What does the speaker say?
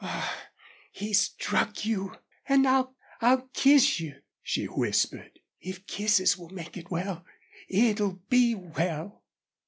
"Ah! ... He struck you. And I I'll kiss you," she whispered. "If kisses will make it well it'll be well!"